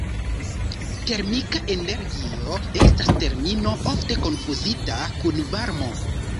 Termika energio estas termino ofte konfuzita kun varmo.